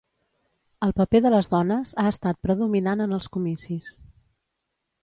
El paper de les dones ha estat predominant en els comicis.